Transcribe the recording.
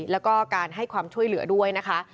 แล้วก็การให้ความช่วยเหลือด้วยนะคะ